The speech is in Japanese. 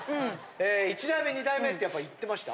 え１題目２題目ってやっぱ言ってました？